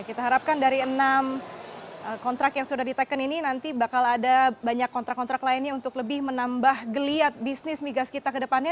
kita harapkan dari enam kontrak yang sudah diteken ini nanti bakal ada banyak kontrak kontrak lainnya untuk lebih menambah geliat bisnis migas kita ke depannya